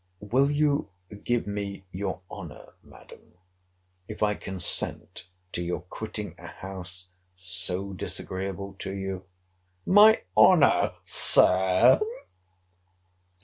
Will you give me your honour, Madam, if I consent to your quitting a house so disagreeable to you?— My honour, Sir!